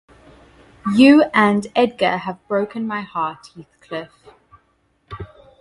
You and Edgar have broken my heart, Heathcliff!